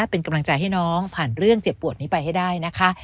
เป็นกำลังใจให้น้องผ่านเรื่องเจ็บปวดนี้ไปให้ได้นะคะ